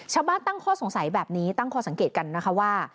ตั้งข้อสงสัยแบบนี้ตั้งข้อสังเกตกันนะคะว่า